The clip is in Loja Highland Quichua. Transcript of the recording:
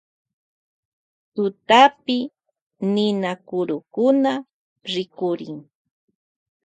Tutapi rikurin ninakurukuna.